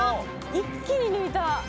一気に抜いた！